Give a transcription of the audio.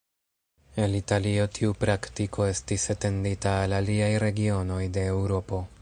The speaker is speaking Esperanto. El Italio tiu praktiko estis etendita al aliaj regionoj de Eŭropo.